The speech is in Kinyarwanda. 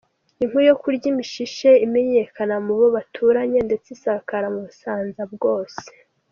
Inkuru yo kurya imishishe imenyekana mu bo baturanye, ndetse isakara u Busanza bwose.